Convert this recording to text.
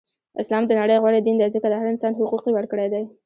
اسلام د نړی غوره دین دی ځکه د هر انسان حقوق یی ورکړی دی.